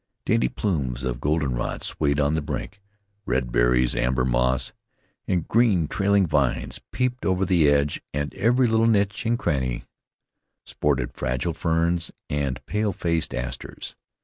Dainty plumes of goldenrod swayed on the brink; red berries, amber moss, and green trailing vines peeped over the edge, and every little niche and cranny sported fragile ferns and pale faced asters.